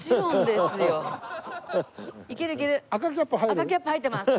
赤キャップ入ってます。